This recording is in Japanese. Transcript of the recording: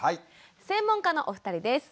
専門家のお二人です。